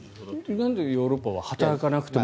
なんでヨーロッパは働かなくても？